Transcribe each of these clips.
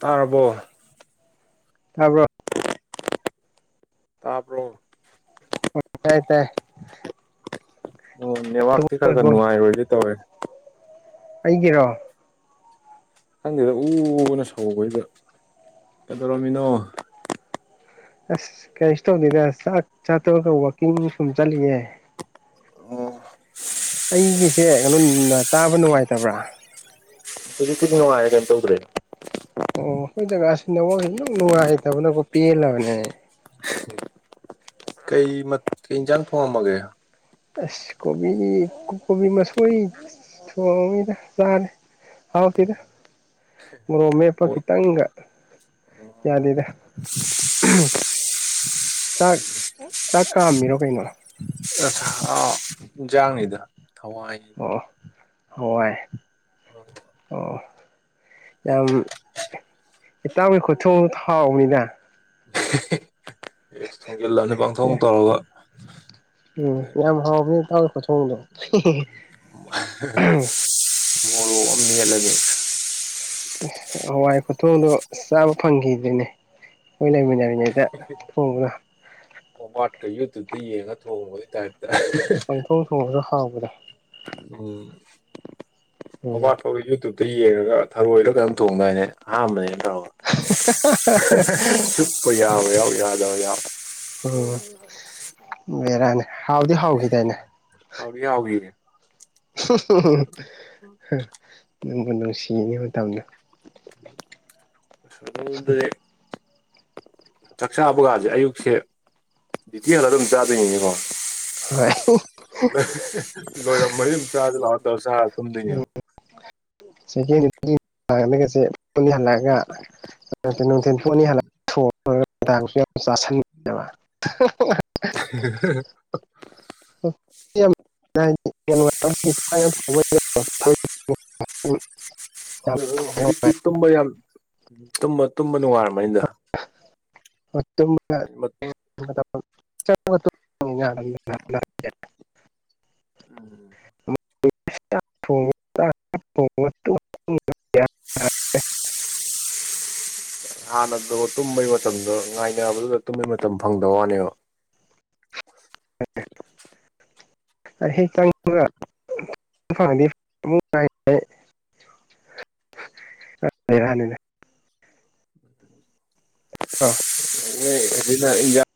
ꯇꯥꯔꯕꯣ ꯇꯥꯕꯔꯣ ꯇꯥꯕꯔꯣ ꯍꯣꯏ ꯇꯥꯏꯌꯦ ꯇꯥꯏꯌꯦ ꯎꯝ ꯅꯦꯋꯥꯛꯇꯤ ꯈꯔ ꯈꯔ ꯇꯧꯔꯕꯣ ꯅꯨꯡꯉꯥꯏꯔꯣꯏꯒ‌ꯦ ꯇꯧꯔ‌ꯦ ꯑꯩꯒꯤꯔꯣ ꯈꯪꯗꯦꯗ ꯎꯎꯎ ꯑꯅ ꯁꯧꯕꯖꯤꯗ ꯀꯩꯗꯧꯔꯝꯃꯤꯅꯣ ꯑꯁ ꯀꯔꯤꯁꯨ ꯇꯧꯗꯦꯗ ꯆꯥꯛ ꯆꯥꯇ‌ꯣꯛ ꯑꯒ ꯋꯥꯛꯀꯤꯡ ꯁꯨꯝ ꯆꯠꯂꯤꯌꯦ ꯑꯣ ꯑꯩꯒꯤꯁꯦ ꯉꯅꯨꯟꯅ ꯇꯥꯕ ꯅꯨꯡꯉꯥꯏꯇꯕ꯭ꯔꯥ ꯍꯧꯖꯤꯛ ꯄꯨꯗꯤ ꯅꯨꯡꯉꯥꯏꯔꯦ ꯀꯌꯤꯝ ꯇꯧꯗ꯭ꯔꯦ ꯑꯣ ꯑꯈꯣꯏ ꯖꯒꯥꯁꯤ ꯅꯦꯋꯥꯛ ꯏꯅꯨꯡ ꯅꯨꯡꯉꯥꯏꯇꯕꯅꯀꯣ ꯄꯦꯜꯂꯕꯅꯦ ꯑꯩ ꯀꯩ ꯃꯠ ꯀꯩ ꯏꯟꯖꯥꯡ ꯊꯣꯡꯉꯝꯃꯒꯦ ꯑꯁ ꯀꯣꯕꯤ ꯀꯣ ꯀꯣꯕꯤ ꯃꯁꯣꯏ ꯊꯣꯡꯉꯤꯗ ꯆꯥꯔ‌ꯦ ꯍꯥꯎꯇꯦꯗ ꯃꯣꯔꯣꯛ ꯃꯦꯠꯄ ꯈꯤꯇꯪꯒ ꯌꯥꯗꯦꯗ ꯎꯝ ꯆꯥꯛ ꯆꯥꯛ ꯀꯥꯝꯃꯤꯔꯣ ꯀꯩꯅꯣ ꯆꯥꯛꯍꯥꯎ ꯏꯟꯖꯥꯡꯅꯤꯗ ꯊꯋꯥꯏꯅꯤ ꯑꯣ ꯑꯣ ꯍꯋꯥꯏ [unintelligible] ꯑꯣ ꯌꯥꯝ ꯏꯇꯥꯎꯒꯤ ꯈꯨꯊꯣꯡ ꯍꯥꯎꯕꯅꯤꯗ ꯏꯁ ꯊꯣꯡꯖꯤꯜꯂꯕꯅꯤ ꯄꯥꯡꯊꯣꯛ ꯑꯦ ꯇꯧꯔꯒ ꯎꯝ ꯑꯗꯩ ꯌꯥꯝ ꯍꯥꯎꯕꯅꯤ ꯏꯇꯥꯎꯒꯤ ꯈꯨꯊꯣꯡꯗꯣ ꯃꯣꯔꯣꯛ ꯑꯝ ꯃꯦꯠꯂꯒꯦ ꯑꯁ ꯍꯋꯥꯏ ꯈꯨꯊꯣꯡꯗꯣ ꯆꯥꯕ ꯐꯪꯈꯤꯗ꯭ꯔꯦꯅꯦ ꯑꯈꯣꯏ ꯂꯩꯃꯤꯟꯅ ꯉꯩꯗ ꯊꯣꯡꯕꯗꯣ ꯇꯣꯡꯕ꯭ꯔꯥꯠꯀ ꯌꯨꯇꯨꯞꯇ ꯌꯦꯡꯉꯒ ꯊꯣꯡꯕꯒꯤ ꯇꯥꯏꯞꯇꯥ ꯄꯪꯊꯣꯛ ꯊꯣꯡꯉꯖꯨ ꯍꯥꯎꯕꯅꯦ [inaudible] ꯎꯝ ꯑꯗꯨ ꯌꯦꯡꯉꯒ ꯊꯔꯣꯏꯔꯥ ꯀꯩꯅꯣꯝ ꯊꯣꯡꯗꯥꯏꯅꯦ ꯑꯍꯥꯟꯕꯅꯦꯅ ꯇꯧꯔꯒ ꯆꯨꯞꯄ ꯌꯥꯕ ꯌꯥꯎ ꯌꯥꯎꯗꯕ ꯌꯥꯎ ꯎꯝ ꯕꯦꯔꯥꯅꯤ ꯍꯥꯎꯗꯤ ꯍꯥꯎꯒꯤꯗꯥꯏꯅꯦ ꯍꯥꯎꯗꯤ ꯍꯥꯎꯒꯤꯌꯦ ꯅꯪꯕꯨ ꯅꯨꯡꯁꯤꯅꯦ ꯃꯇꯝꯗꯣ [inaudible] ꯆꯥꯛꯆꯥꯥꯕꯒꯥꯥꯖꯦ ꯑꯌꯨꯛꯁꯦ ꯗ꯭ꯌꯨꯇꯤ [inaudible] ꯑꯗꯨꯝ ꯆꯥꯗꯣꯏꯅꯤꯅꯩꯀꯣ ꯍꯣꯢ ꯂꯣꯏꯔꯝꯃꯗꯤ ꯑꯗꯨꯝ ꯆꯥꯖꯤꯂꯥꯛꯑꯣ ꯇꯧꯔꯥ ꯆꯥꯔꯥ ꯇꯨꯝꯗꯣꯏꯅꯦꯕ [inaudible] ꯑꯝ ꯅꯨꯡꯗꯥꯡꯁꯨ ꯎꯝ ꯌꯥꯝ ꯆꯥꯁꯟꯗꯕ [inaudible] [inaudible] [inaudible] ꯑ ꯍꯧꯖꯤꯛꯇꯤ ꯇꯨꯝꯕ ꯌꯥꯝ ꯇꯨꯝꯕ ꯇꯨꯝꯕ ꯅꯨꯡꯉꯥꯏꯔꯝꯃꯥꯅꯤꯗ [inaudible] [inaudible] [inaudible] ꯍꯥꯟꯅꯗꯕꯨ ꯇꯨꯝꯕꯩ ꯃꯇꯝꯗꯣ ꯉꯥꯏꯅꯕꯗꯨꯗ ꯇꯨꯝꯕꯩ ꯃꯇꯝ ꯐꯪꯗꯕ ꯋꯥꯅꯦꯕ [inaudible] ꯄꯨꯔꯥ ꯕꯦꯔꯥꯅꯤꯍꯦ ꯑ [inaudible] ꯑꯗꯨ ꯏ [inaudible]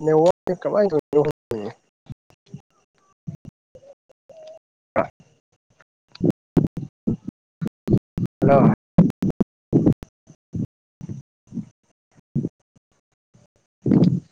ꯅ ꯋꯥ ꯀꯃꯥꯏ [inaudible] ꯍꯜꯂꯣ [unintelligible]